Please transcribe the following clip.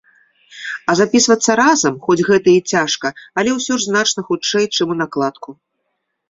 А запісвацца разам, хоць гэта і цяжка, але ўсё ж значна хутчэй, чым унакладку.